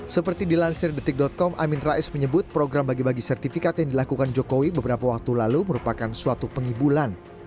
seperti dilansir detik com amin rais menyebut program bagi bagi sertifikat yang dilakukan jokowi beberapa waktu lalu merupakan suatu pengibulan